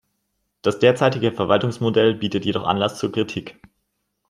Das derzeitige Verwaltungsmodell bietet jedoch Anlass zu Kritik.